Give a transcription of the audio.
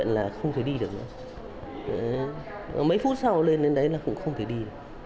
bệnh viện là không thể đi được nữa mấy phút sau lên đến đấy là cũng không thể đi